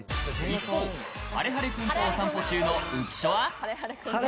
一方、はれはれ君とお散歩中の浮所は。